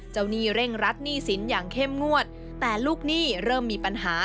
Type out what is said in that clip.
หนี้เร่งรัดหนี้สินอย่างเข้มงวดแต่ลูกหนี้เริ่มมีปัญหา